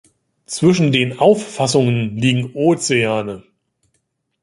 Zwischen den Auffassungen liegen Ozeane.